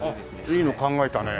いいの考えたね。